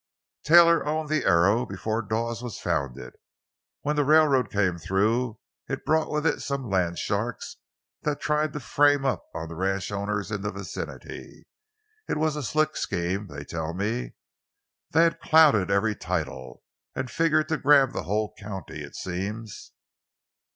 "Taylor owned the Arrow before Dawes was founded. When the railroad came through it brought with it some land sharks that tried to frame up on the ranch owners in the vicinity. It was a slick scheme, they tell me. They had clouded every title, and figured to grab the whole county, it seems.